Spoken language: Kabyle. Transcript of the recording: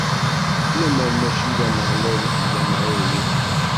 Lemmer mačči d Ameɣlal i d amɛiwen-iw.